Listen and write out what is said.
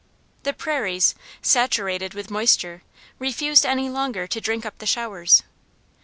The prairies, saturated with moisture, refused any longer to drink up the showers.